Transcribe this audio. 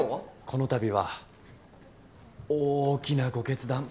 この度は大きなご決断